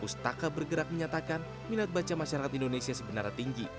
pustaka bergerak menyatakan minat baca masyarakat indonesia sebenarnya tinggi